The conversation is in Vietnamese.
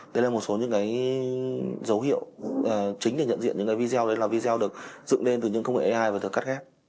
đây là một số những cái dấu hiệu chính để nhận diện những cái video đấy là video được dựng lên từ những công nghệ ai và được cắt ghép